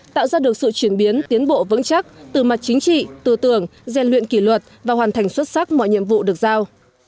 tạo ra được sự chuyển biến tiến bộ vững chắc từ mặt chính trị tư tưởng gian luyện kỷ luật và hoàn thành xuất sắc mọi nhiệm vụ được giao